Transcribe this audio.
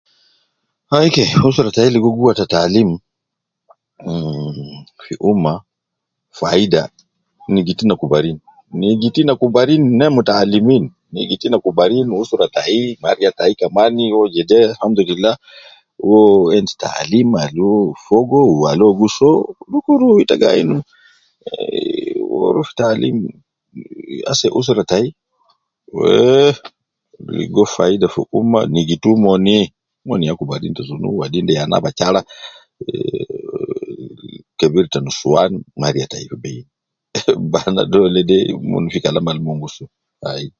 Ai ke usra tai ligo gus ta taalim, mh fi umma faida, nigitu ina kubarin , nigitu ina kubarin ne muta alimin, nigitu kubarin usra tai kariya tai kamani rua jede alhamdulillah Uwo endi taalim al uwo fogo wu al uwo gi soo dukuru ita gi ayin, ehh, woruf taalim eh ase usra tai weeh, ligo faida fi umma, nigitu omoni, omon kubarin te sunu, wadin de ya nabakyala, eh eh kebir te nusuwan mariya tai fi be, bana dole de mon fi kalam al mon gi soo ai